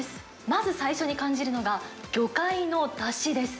まず最初に感じるのが、魚介のだしです。